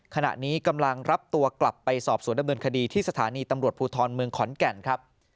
ขณะนี้กำลังรับตัวกลับไปสอบสวนดำเนินคดีที่สถานีตำรวจภูทรเมืองขอนแก่นครับ